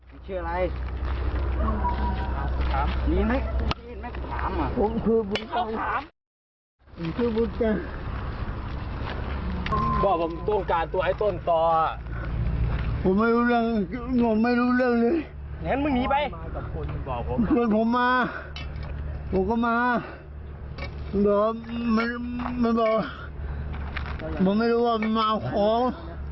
มันบอกบอกไม่รู้ว่ามันมาเอาของ